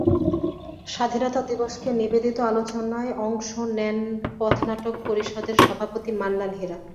স্বাধীনতা দিবসকে নিবেদিত আলোচনায় অংশ নেন পথনাটক পরিষদের সভাপতি মান্নান হীরা।